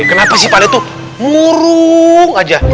kenapa sih pak d tuh ngurung aja